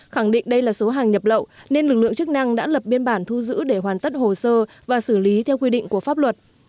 khẳng định đây là số hàng nhập lậu nên lực lượng chức năng đã lập biên bản thu giữ để hoàn tất hồ sơ và xử lý theo quy định của pháp luật